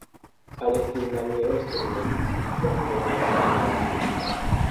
Palestinaj estroj bonvenigis la decidon.